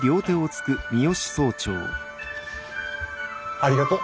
ありがとう。